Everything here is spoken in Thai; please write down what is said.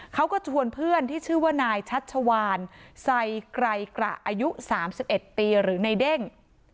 เขาก็ชวนเพื่อนที่ชื่อว่านายชัชวานไซไกรกระอายุ๓๑ปีหรือในเด้ง